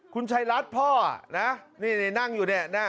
คุณชัยรัฐพ่อนะนี่นั่งอยู่เนี่ย